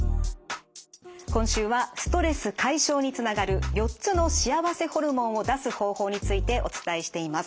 今週はストレス解消につながる４つの幸せホルモンを出す方法についてお伝えしています。